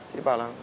thì bảo là